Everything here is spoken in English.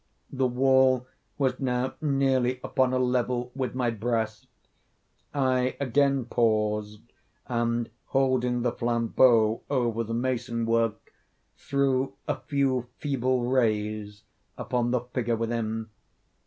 The wall was now nearly upon a level with my breast. I again paused, and holding the flambeaux over the mason work, threw a few feeble rays upon the figure within.